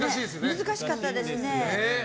難しかったですね。